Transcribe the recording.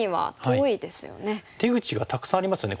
出口がたくさんありますよね。